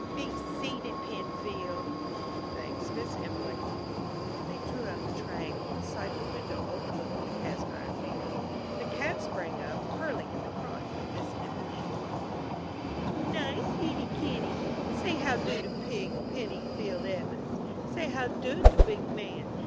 "Be seated, Penfield." "Thanks, Miss Emelene." They drew up in a triangle beside the window overlooking the cast iron deer. The cat sprang up, curling in the crotch of Miss Emelene's arm. "Nice ittie kittie, say how do to big Penny field Evans. Say how do to big man.